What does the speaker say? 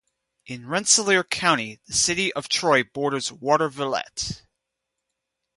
In Rensselaer County the city of Troy borders Watervliet.